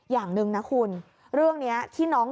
อย่างหนึ่งนะคุณเรื่องนี้ที่น้อง